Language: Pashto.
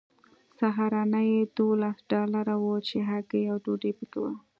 سهارنۍ دولس ډالره وه چې هګۍ او ډوډۍ پکې وه